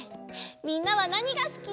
みんなはなにがすき？